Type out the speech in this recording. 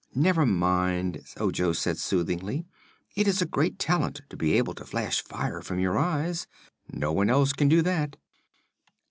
"Never mind," Ojo said soothingly; "it is a great talent to be able to flash fire from your eyes. No one else can do that."